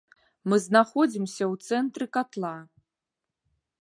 Мы знаходзімся ў цэнтры катла.